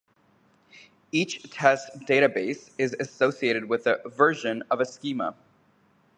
Each Test Database is associated with a "version" of a Schema.